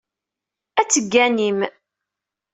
Ad tegganim.